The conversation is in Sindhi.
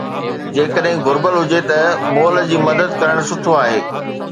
جيڪڏهن گهربل هجي ته مئل جي مدد ڪرڻ سٺو آهي.